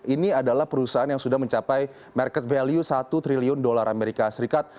ini adalah perusahaan yang sudah mencapai market value satu triliun dolar amerika serikat